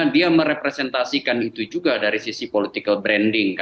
dia merepresentasikan itu juga dari sisi political branding